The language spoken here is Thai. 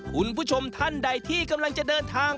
คุณผู้ชมท่านใดที่กำลังจะเดินทาง